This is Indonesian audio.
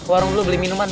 warung dulu beli minuman